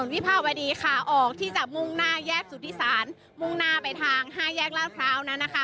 วิภาวดีค่ะออกที่จะมุ่งหน้าแยกสุธิศาลมุ่งหน้าไปทาง๕แยกลาดพร้าวนั้นนะคะ